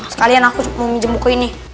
sekalian aku mau minjem buku ini